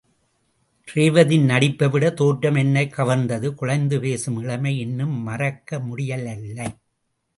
ரேவதியின் நடிப்பைவிட தோற்றம் என்னைக் கவர்ந்தது குழைந்து பேசும் இளமை இன்னும் மறக்க முடியலல்லை.